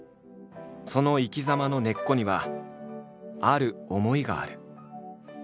その生きざまの根っこにはある思いがある。